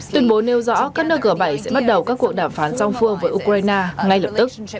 tuyên bố nêu rõ các nước g bảy sẽ bắt đầu các cuộc đàm phán song phương với ukraine ngay lập tức